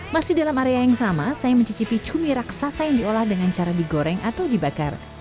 masih dalam area yang sama saya mencicipi cumi raksasa yang diolah dengan cara digoreng atau dibakar